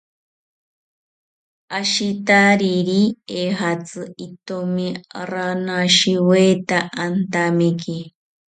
Ashitariri ejatzi itomi ranashiweta antamiki